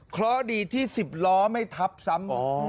เพราะดีที่๑๐ล้อไม่ทับซ้ำ